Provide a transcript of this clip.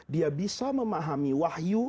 dia bisa memahami wahyu